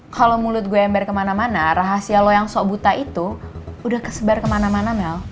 kalau mulut gue ember kemana mana rahasia loyang sok buta itu udah kesebar kemana mana mel